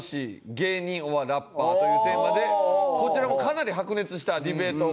芸人ｏｒラッパー」というテーマでこちらもかなり白熱したディベートを行っております。